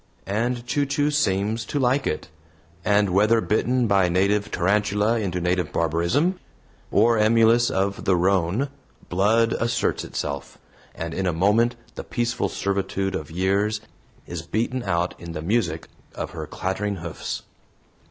and Chu Chu seems to like it, and whether bitten by native tarantula into native barbarism or emulous of the roan, "blood" asserts itself, and in a moment the peaceful servitude of years is beaten out in the music of her clattering hoofs.